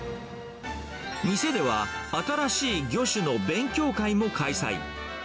店では、新しい魚種の勉強会も開催。